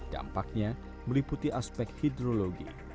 dampaknya meliputi aspek hidrologi